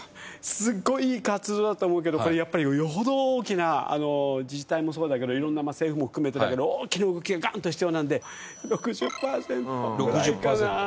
すごいいい活動だと思うけどこれやっぱりよほど大きな自治体もそうだけど色んなまあ政府も含めてだけど大きな動きがガンッと必要なので６０パーセントぐらいかな。